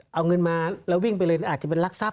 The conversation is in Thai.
เอาเงินมาแล้ววิ่งไปเลยอาจจะเป็นรักทรัพ